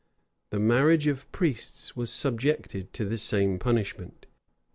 The marriage of priests was subjected to the same punishment.